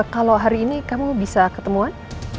kalau hari ini kamu bisa ketemuan